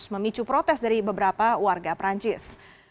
memicu protes dari beberapa warga perancis